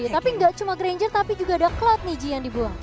tapi gak cuma granger tapi juga ada cloud nih ji yang dibuang